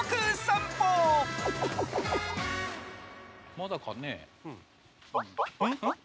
まだかね？